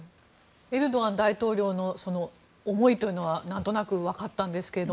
エルドアン大統領の思いというのは何となく分かったんですが。